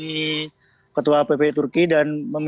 ketika itu saya sudah berhenti berhenti berhenti